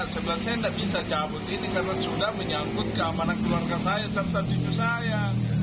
saya bilang saya tidak bisa cabut ini karena sudah menyangkut keamanan keluarga saya serta cucu saya